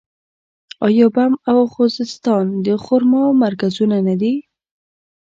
آیا بم او خوزستان د خرما مرکزونه نه دي؟